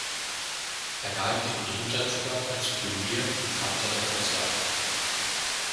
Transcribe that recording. Er galt im Behindertensport als „Pionier“ und „Vater der Versehrten“.